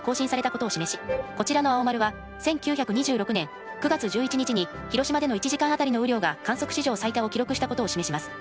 こちらの青丸は１９２６年９月１１日に広島での１時間あたりの雨量が観測史上最多を記録したことを示します。